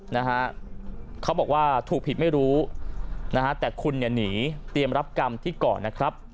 นะฮะเขาบอกว่าถูกผิดไม่รู้นะฮะแต่คุณเนี่ยหนีเตรียมรับกรรมที่ก่อนนะครับ